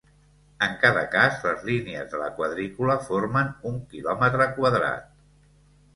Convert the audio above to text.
En cada cas, les línies de la quadrícula formen un quilòmetre quadrat.